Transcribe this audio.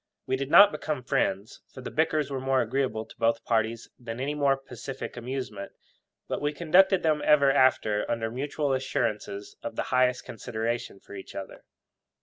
We did not become friends, for the bickers were more agreeable to both parties than any more pacific amusement; but we conducted them ever after under mutual assurances of the highest consideration for each other.